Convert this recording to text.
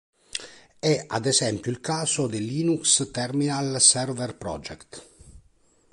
È ad esempio il caso del Linux Terminal Server Project.